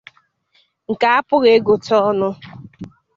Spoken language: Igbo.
nke a pụghị ịgụta ọnụ.